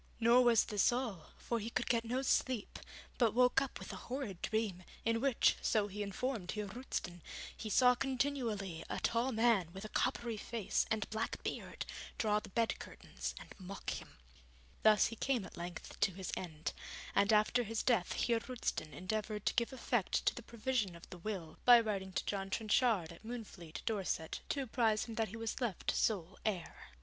Nor was this all, for he could get no sleep, but woke up with a horrid dream, in which, so he informed Heer Roosten, he saw continually a tall man with a coppery face and black beard draw the bed curtains and mock him. Thus he came at length to his end, and after his death Heer Roosten endeavoured to give effect to the provision of the will, by writing to John Trenchard, at Moonfleet, Dorset, to apprise him that he was left sole heir.